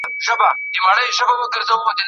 ¬ پور د محبت غيچي ده.